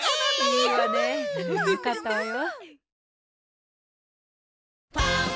いいわねよかったわよ。